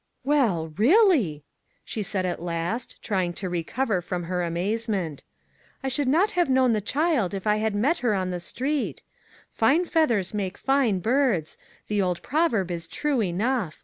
" Well, really !" she said at last, trying "to re cover from her amazement. " I should not have known the child if I had met her on the street. ' Fine feathers make fine birds '; the old proverb is true enough.